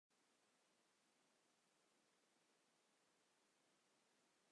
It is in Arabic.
سأتصل عليك بعد ظهر الغد.